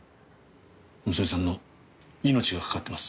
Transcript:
娘さんの命が懸かってます。